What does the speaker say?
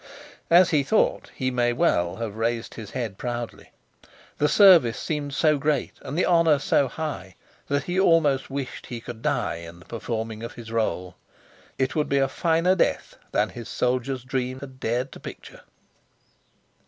As he thought he may well have raised his head proudly. The service seemed so great and the honor so high, that he almost wished he could die in the performing of his role. It would be a finer death than his soldier's dreams had dared to picture.